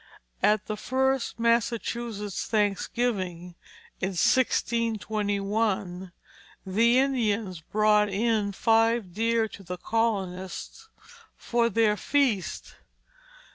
At the first Massachusetts Thanksgiving, in 1621, the Indians brought in five deer to the colonists for their feast.